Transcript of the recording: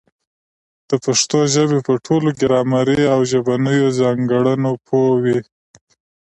د پښتو ژبي په ټولو ګرامري او ژبنیو ځانګړنو پوه وي.